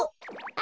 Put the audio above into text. あ。